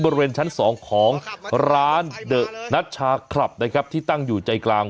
บริเวณชั้นสองของร้านเดอะนัชชาคลับนะครับที่ตั้งอยู่ใจกลาง